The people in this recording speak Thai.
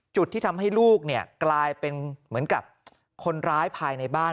จุดที่ทำให้ลูกเนี่ยกลายเป็นเหมือนกับคนร้ายภายในบ้าน